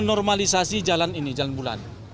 normalisasi jalan ini jalan bulan